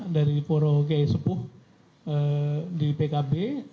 dari poro g sepuh di pkb